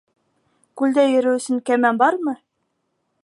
Күлдә йөрөү өсөн кәмә бармы?